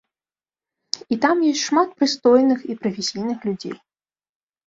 І там ёсць шмат прыстойных і прафесійных людзей.